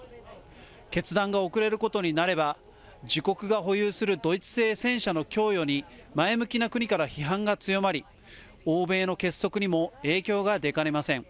決断が遅れることになれば、自国が保有するドイツ製戦車の供与に前向きな国から批判が強まり、欧米の結束にも影響が出かねません。